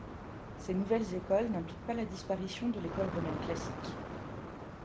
Ces nouvelles écoles n'impliquent pas la disparition de l'école romaine classique.